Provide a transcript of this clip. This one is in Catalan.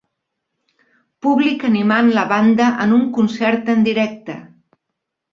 Públic animant la banda en un concert en directe.